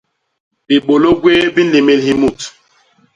Bibôlô gwéé bi nlémél hi mut.